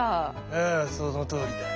ああそのとおりだ。